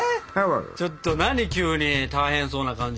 ちょっと何急に大変そうな感じ。